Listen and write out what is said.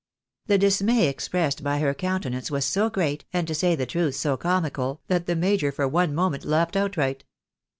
The dismay expressed by her countenance was so great, and, tO' say the truth, so comical, that the major for one moment laughed outright.